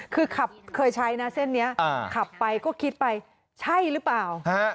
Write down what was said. คือขับเคยใช้นะเส้นนี้ขับไปก็คิดไปใช่หรือเปล่า